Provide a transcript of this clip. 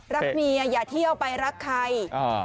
รักเมียอย่าเที่ยวไปรักใคร